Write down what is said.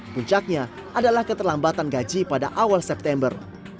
puncaknya adalah keterlambatan gaji pada awal september